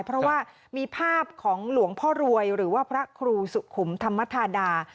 เพราะว่ามีภาพของหลวงพ่อรวยหรือว่าพระครูสุขุมธรรมธาดา